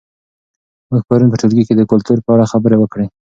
موږ پرون په ټولګي کې د کلتور په اړه خبرې وکړې.